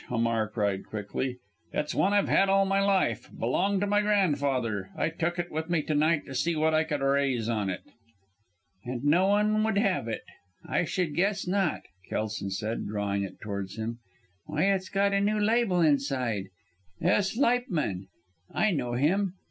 Hamar cried quickly. "It's one I've had all my life. Belonged to my grandfather. I took it with me to night to see what I could raise on it." "And no one would have it? I should guess not," Kelson said, drawing it towards him. "Why it's got a new label inside S. Leipman! I know him.